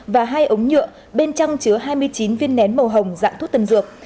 và hai ống nhựa bên trong chứa hai mươi chín viên nén màu hồng dạng thuốc tân dược